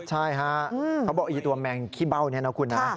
ใช่ฮะเขาบอกตัวแมงขี้เบ้าเนี่ยนะคุณนะ